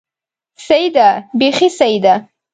سيي ده، بېخي سيي ده!